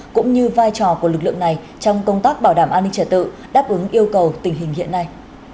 cũng như vai trò của lực lượng này trong công tác bảo đảm an ninh trả tự đáp ứng yêu cầu tình hình hiện nay